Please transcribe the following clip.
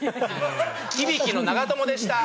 響の長友でした！